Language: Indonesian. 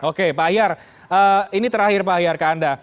oke pak ahyar ini terakhir pak ahyar ke anda